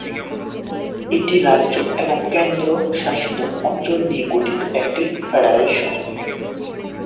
এটি রাজ্য এবং কেন্দ্রশাসিত অঞ্চল নিয়ে গঠিত একটি ফেডারেশন।